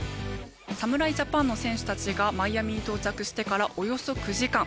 侍ジャパンの選手たちがマイアミに到着してからおよそ９時間。